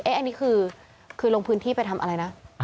อันนี้คือลงพื้นที่ไปทำอะไรนะ